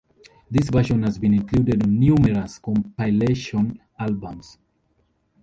This version has been included on numerous compilation albums.